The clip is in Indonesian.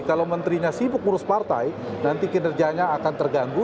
kalau menterinya sibuk ngurus partai nanti kinerjanya akan terganggu